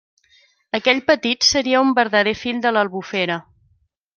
Aquell petit seria un verdader fill de l'Albufera.